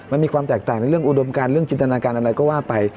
มันมีความแตกต่างในเรื่องอุดมการเรื่องจินตนาการอะไรก็ว่าไป